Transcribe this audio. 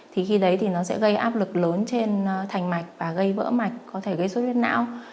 thì khi đấy thì nó sẽ gây áp lực lớn trên thành mạch và gây vỡ mạch có thể gây xuất huyết não